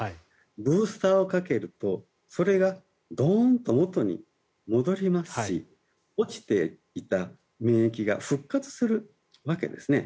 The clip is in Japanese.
ブースターをかけるとドーンとそれが元に戻りますし落ちていった免疫が復活するわけですね。